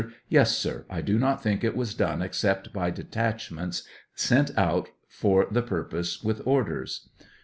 Yes, sir; I do not think it was done except by detachments sent out for the purpose with orders.